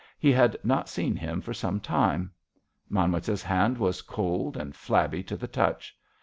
He had not seen him for some time. Manwitz's hand was cold and flabby to the touch.